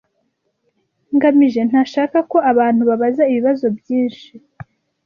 ngamije ntashaka ko abantu babaza ibibazo byinshi.